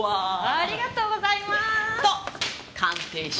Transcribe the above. ありがとうございます！と鑑定書。